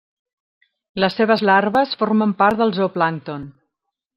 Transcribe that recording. Les seves larves formen part del zooplàncton.